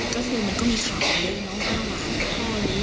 ก็คือมันก็มีข้าวนี้น้องข้าวน้องข้าวนี้